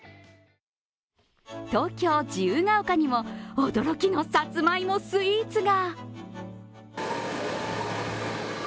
東京・自由が丘にも驚きのさつまいもスイーツが。